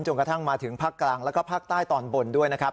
จนกระทั่งมาถึงภาคกลางและภาคใต้ตอนบนด้วย